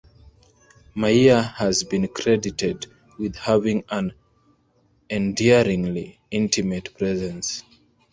Maia has been credited with having an "endearingly intimate presence".